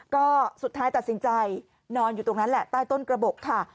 ก็สุดท้ายตัดสินใจนอนอยู่ตรงนั้นแหละใต้ต้นกระบบค่ะ